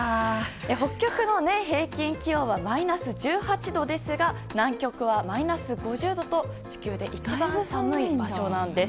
北極の年平均気温はマイナス１８度ですが南極はおよそマイナス５０度と地球で一番寒い場所なんです。